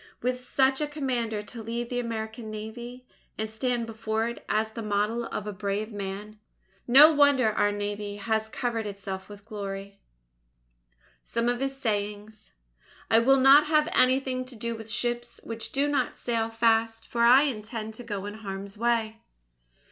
With such a Commander to lead the American Navy, and stand before it as the model of a brave man, no wonder our Navy has covered itself with glory. J. T. Headley (Condensed) SOME OF HIS SAYINGS I will not have anything to do with ships which do not sail fast, for I intend to go in harm's way.